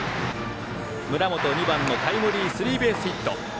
村本、２番がタイムリースリーベースヒット。